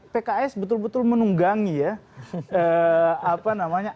pks betul betul menunggangi ya